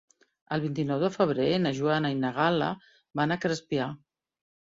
El vint-i-nou de febrer na Joana i na Gal·la van a Crespià.